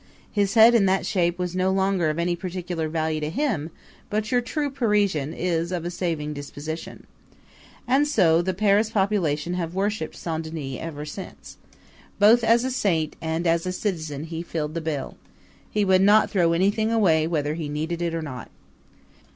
His head, in that shape, was no longer of any particular value to him, but your true Parisian is of a saving disposition. And so the Paris population have worshiped Saint Denis ever since. Both as a saint and as a citizen he filled the bill. He would not throw anything away, whether he needed it or not.